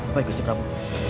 baik encik ramu